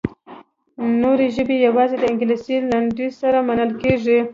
نورې ژبې یوازې د انګلیسي لنډیز سره منل کیږي.